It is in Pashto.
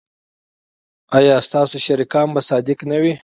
ایا ستاسو شریکان به صادق نه وي؟